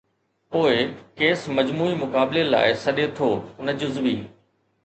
پوءِ ڪيس مجموعي مقابلي لاءِ سڏي ٿو ، نه جزوي.